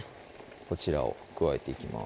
こちらを加えていきます